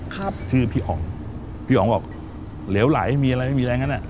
ครับชื่อพี่อ๋องพี่อ๋องบอกเหลวไหลมีอะไรไม่มีแรงงั้นอ่ะ